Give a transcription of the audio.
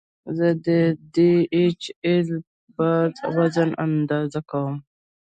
زه د ډي ایچ ایل بار وزن اندازه کوم.